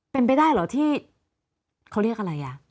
เป็นไปได้เหรอที่เขาเรียกอะไรอ่ะ